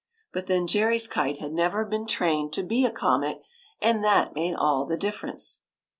But then, Jerry s kite had never been trained to be a comet, and that made all the difference.